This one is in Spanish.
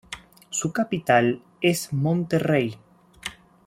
Su capital es Monterrey.